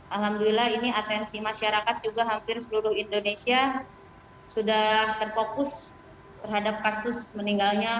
alhamdulillah ini atensi masyarakat juga hampir seluruh indonesia sudah terfokus terhadap kasus meninggalnya